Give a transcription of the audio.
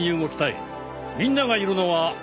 みんながいるのは。